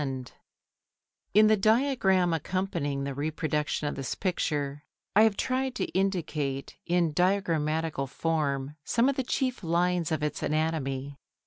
Photo Hollyer] In the diagram accompanying the reproduction of this picture I have tried to indicate in diagrammatical form some of the chief lines of its anatomy.